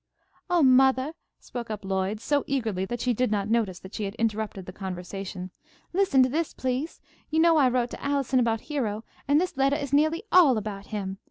"Oh, mothah," spoke up Lloyd, so eagerly that she did not notice that she had interrupted the conversation. "Listen to this, please. You know I wrote to Allison about Hero, and this lettah is neahly all about him.